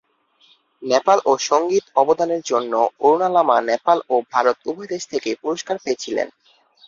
নেপাল ও সংগীত অবদানের জন্য অরুণা লামা নেপাল ও ভারত উভয়ই দেশ থেকে পুরস্কার পেয়েছিলেন।